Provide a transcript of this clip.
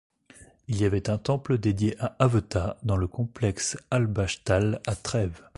Il y avait un temple dédié à Aveta dans le complexe Altbachtal à Trèves.